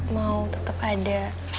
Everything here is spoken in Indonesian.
mau tetap ada